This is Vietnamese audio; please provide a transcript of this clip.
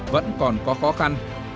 vẫn còn có khó khăn